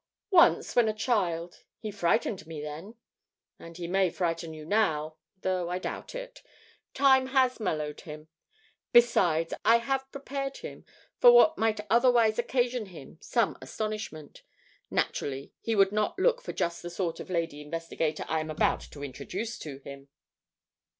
"Once, when a child. He frightened me then." "And may frighten you now; though I doubt it. Time has mellowed him. Besides, I have prepared him for what might otherwise occasion him some astonishment. Naturally he would not look for just the sort of lady investigator I am about to introduce to him."